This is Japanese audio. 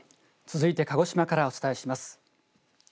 続いて鹿児島からお伝えします。